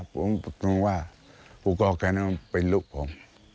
ผมคิดว่าพวกกองแขนยังเป็นลูกผม